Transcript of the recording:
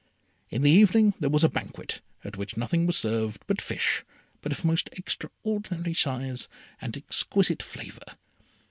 In the evening there was a banquet, at which nothing was served but fish, but of most extraordinary size and exquisite flavour.